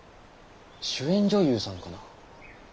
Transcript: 主演女優さんかな。